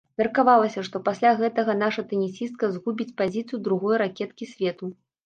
Меркавалася, што пасля гэтага наша тэнісістка згубіць пазіцыю другой ракеткі свету.